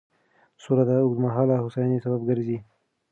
سوله د اوږدمهاله هوساینې سبب ګرځي.